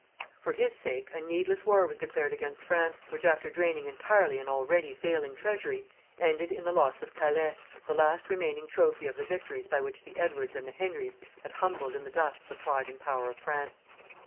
For his sake a needless war was declared against France, which, after draining entirely an already failing treasury, ended in the loss of Calais, the last remaining trophy of the victories by which the Edwards and the Henrys had humbled in the dust the pride and power of France.